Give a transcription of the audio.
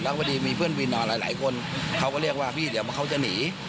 พอดีมีเพื่อนวินนอนหลายคนเขาก็เรียกว่าพี่เดี๋ยวเขาจะหนี